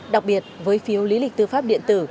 đặc biệt với phiếu lý lịch tư pháp điện tử